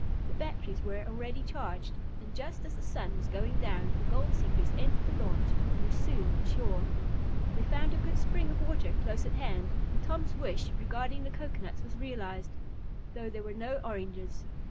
The batteries were already charged, and just as the sun was going down the gold seekers entered the launch and were soon on shore. They found a good spring of water close at hand, and Tom's wish regarding the cocoanuts was realized, though there were no oranges.